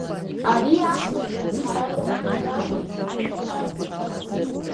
Ари ақалақь ҳара иаҳтәӡами, мшәан?